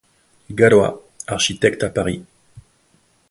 Gallois, architecte à Paris.